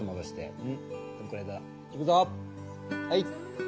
はい。